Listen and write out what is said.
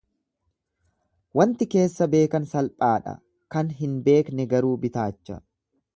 Wanti keessa beekan salphaadha, kan hin beekne garuu bitaacha.